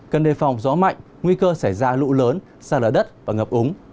cần đề phòng gió mạnh nguy cơ sẽ ra lụ lớn xa lở đất và ngập úng